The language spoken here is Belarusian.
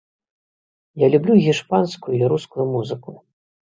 Я люблю гішпанскую і рускую музыку.